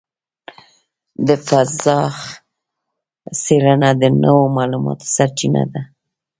د فضاء څېړنه د نوو معلوماتو سرچینه ده.